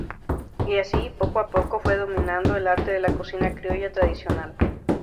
Y así, poco a poco, fue dominando el arte de la cocina criolla tradicional.